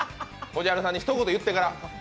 こじはるさんに一言言ってから。